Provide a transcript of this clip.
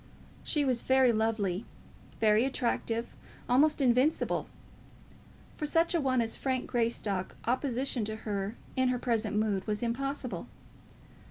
She was very lovely, very attractive, almost invincible. For such a one as Frank Greystock opposition to her in her present mood was impossible.